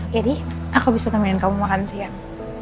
jadi aku bisa temenin kamu makan siang